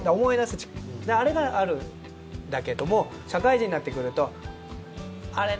だから、あれがあるんだけども社会人になってくるとあれ？